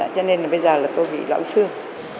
cho nên là bây giờ là tôi bị loạn xương